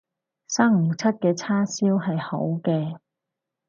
生唔出嘅叉燒係好嘅